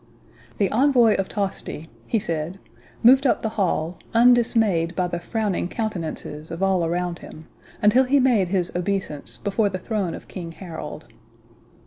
"The envoy of Tosti," he said, "moved up the hall, undismayed by the frowning countenances of all around him, until he made his obeisance before the throne of King Harold.